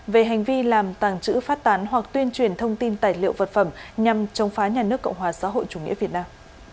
về hành vi làm tàng trữ phát tán hoặc tuyên truyền thông tin tài liệu vật phẩm nhằm chống phá nhà nước cộng hòa xã hội chủ nghĩa việt nam